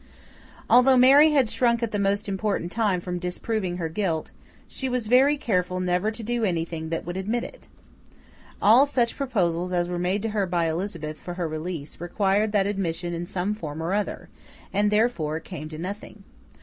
Although Mary had shrunk at the most important time from disproving her guilt, she was very careful never to do anything that would admit it. All such proposals as were made to her by Elizabeth for her release, required that admission in some form or other, and therefore came to nothing.